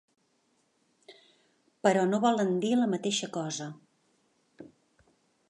Però no volen dir la mateixa cosa.